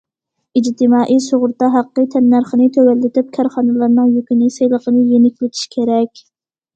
ئىجتىمائىي سۇغۇرتا ھەققى تەننەرخىنى تۆۋەنلىتىپ، كارخانىلارنىڭ يۈكىنى، سېلىقىنى يېنىكلىتىش كېرەك.